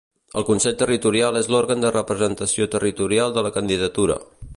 El Consell Territorial és l'òrgan de representació territorial de la candidatura.